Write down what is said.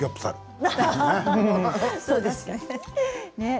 そうですね。